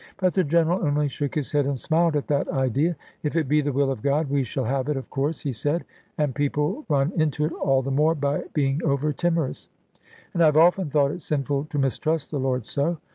But the General only shook his head, and smiled at that idea. "If it be the will of God, we shall have it, of course," he said; "and people run into it all the more by being over timorous. And I have often thought it sinful to mistrust the Lord so.